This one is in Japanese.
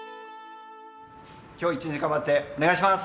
今日一日頑張ってお願いします！